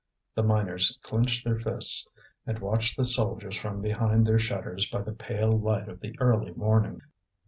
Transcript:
The miners clenched their fists and watched the soldiers from behind their shutters by the pale light of the early morning.